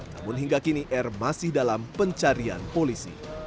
namun hingga kini r masih dalam pencarian polisi